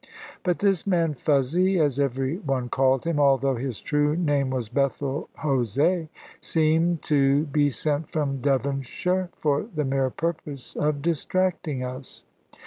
But this man "Fuzzy," as every one called him, although his true name was "Bethel Jose," seemed to be sent from Devonshire for the mere purpose of distracting us.